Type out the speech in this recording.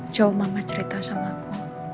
jauh mama cerita sama aku